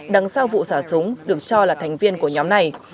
đằng sau vụ xả súng được cho là thành viên của nhóm này